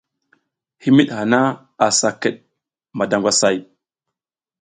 Himid hana asa kid mada ngwasay.